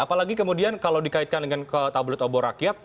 apalagi kemudian kalau dikaitkan ke tabelit obor rakyat